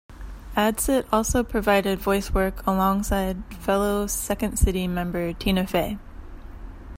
Adsit also provided voice work alongside fellow Second City member Tina Fey.